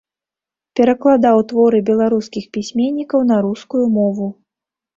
Перакладаў творы беларускіх пісьменнікаў на рускую мову.